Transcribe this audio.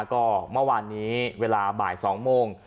ก็เมื่อวานนี้เวลาบ่าย๒โมง